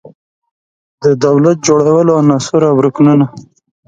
د دولت جوړولو عناصر او رکنونه